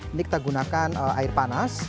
ini kita gunakan air panas